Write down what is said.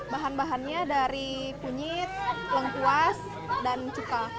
bahan bahannya dari kunyit lengkuas dan cuka